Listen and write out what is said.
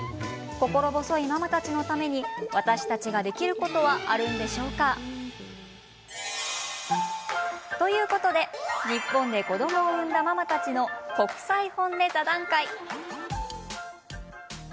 心細いママたちのために私たちができることはあるんでしょうか？ということで日本で子どもを産んだママたちの国際本音座談会。